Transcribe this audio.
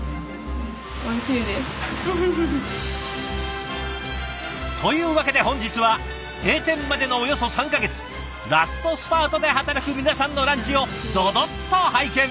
おいしいです。というわけで本日は閉店までのおよそ３か月ラストスパートで働く皆さんのランチをドドッと拝見。